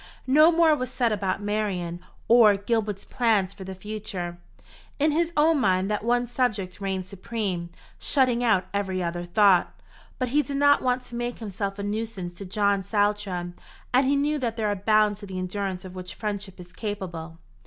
No more was said about Marian, or Gilbert's plans for the future. In his own mind that one subject reigned supreme, shutting out every other thought; but he did not want to make himself a nuisance to John Saltram, and he knew that there are bounds to the endurance of which friendship is capable.